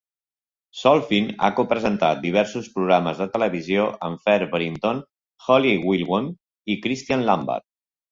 Schofield ha co-presentat diversos programes de televisió amb Fern Britton, Holly Willoughby i Christine Lampard.